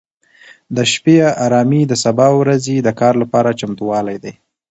د شپې ارامي د سبا ورځې د کار لپاره چمتووالی دی.